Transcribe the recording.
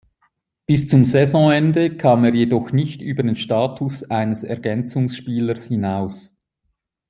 Bis zum Saisonende kam er jedoch nicht über den Status eines Ergänzungsspielers hinaus.